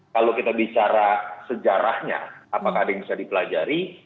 kalau kita bicara sejarahnya apakah ada yang bisa dipelajari